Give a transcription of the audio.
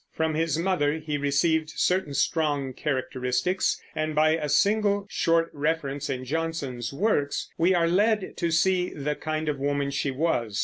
From his mother he received certain strong characteristics, and by a single short reference in Jonson's works we are led to see the kind of woman she was.